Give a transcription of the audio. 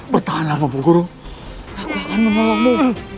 bertahanlah aku guru aku akan menolongmu